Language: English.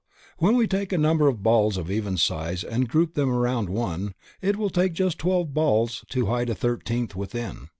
When we take a number of balls of even size and group them around one, it will take just twelve balls to hide a thirteenth within.